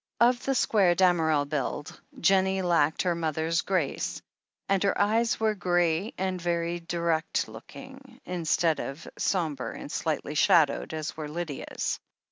Of the square Damerel build, Jennie lacked her mother's grace, and her eyes were grey and very direct looking, instead of sombre and slightly shadowed, as were Lydia's.